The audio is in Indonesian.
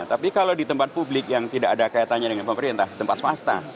tapi kalau di tempat publik yang tidak ada kaitannya dengan pemerintah tempat swasta